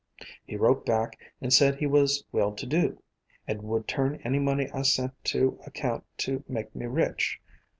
"He wrote back and said he was well to do, and would turn any money I sent to account to make me rich!